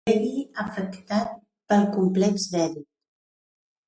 Begui afectat pel complex d'Èdip.